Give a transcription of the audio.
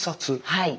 はい。